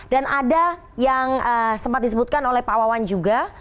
dan ada yang sempat disebutkan oleh pak wawan juga